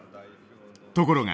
ところが。